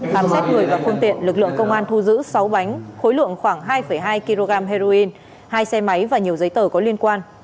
khám xét người và phương tiện lực lượng công an thu giữ sáu bánh khối lượng khoảng hai hai kg heroin hai xe máy và nhiều giấy tờ có liên quan